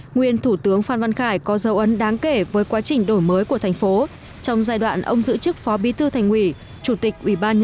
nguyên thủ tướng phan văn khải đã để lại dấu ấn sâu đậm đối với quá trình xây dựng và phát triển thành phố hồ chí minh